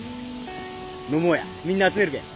飲もうやみんな集めるけぇ。